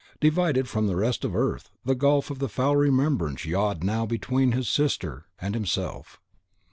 Divided from the rest of earth, the gulf of the foul remembrance yawned now between his sister and himself.